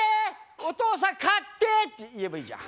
お父さん買って！」って言えばいいじゃん。